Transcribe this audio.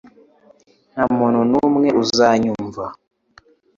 Nta muntu numwe uzanyumva.